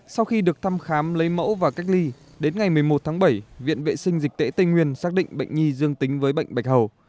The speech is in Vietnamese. sau khi được thăm khám lấy mẫu và cách ly đến ngày một mươi một tháng bảy viện vệ sinh dịch tễ tây nguyên xác định bệnh nhi dương tính với bệnh bạch hầu